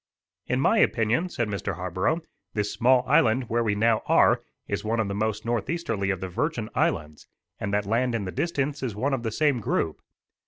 "In my opinion," said Mr. Harborough, "this small island where we now are is one of the most northeasterly of the Virgin Islands, and that land in the distance is one of the same group."